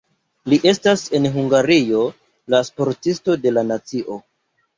Li estas en Hungario la Sportisto de la nacio.